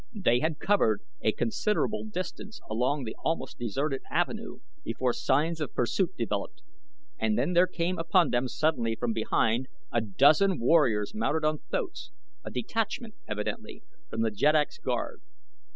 They had covered a considerable distance along the almost deserted avenue before signs of pursuit developed and then there came upon them suddenly from behind a dozen warriors mounted on thoats a detachment, evidently, from The Jeddak's Guard.